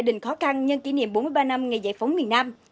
đình khó khăn nhân kỷ niệm bốn mươi ba năm ngày giải phóng miền nam